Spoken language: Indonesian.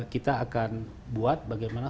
kita akan buat bagaimana